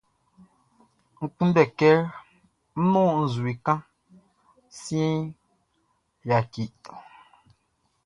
N kunndɛ kɛ ń nɔ́n nzue kan siɛnʼn, yaki.